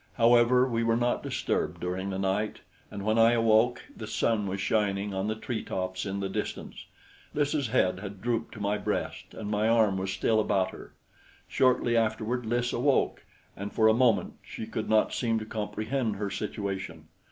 However, we were not disturbed during the night, and when I awoke, the sun was shining on the tree tops in the distance. Lys' head had drooped to my breast, and my arm was still about her. Shortly afterward Lys awoke, and for a moment she could not seem to comprehend her situation.